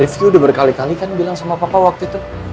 rizky udah berkali kali kan bilang sama papa waktu itu